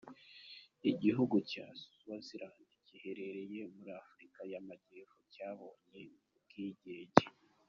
Igihugu cya Swaziland giherereye muri Afurika y’amajyepfo cyabonye ubwigenge.